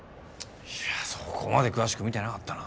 いやそこまで詳しくは見てなかったな。